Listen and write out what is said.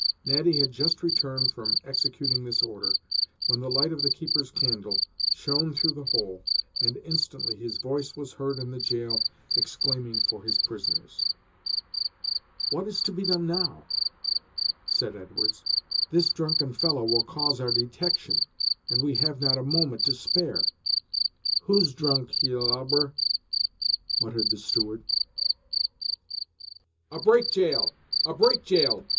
Natty had just returned from executing this order, when the light of the keeper's candle shone through the hole, and instantly his voice was heard in the jail exclaiming for his prisoners. "What is to be done now?" said Edwards; "this drunken fellow will cause our detection, and we have not a moment to spare." "Who's drunk, ye lubber?" muttered the steward. "A break jail! a break jail!"